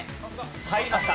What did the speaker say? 入りました。